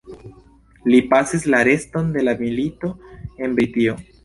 Li pasis la reston de la milito en Britio.